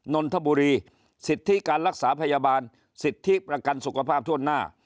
นนทบุรีสิทธิการรักษาพยาบาลสิทธิประกันสุขภาพทั่วหน้า